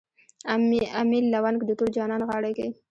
امیل لونګ د تور جانان غاړه کي